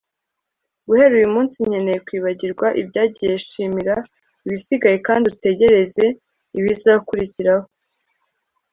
guhera uyu munsi, nkeneye kwibagirwa ibyagiye shimira ibisigaye kandi utegereze ibizakurikiraho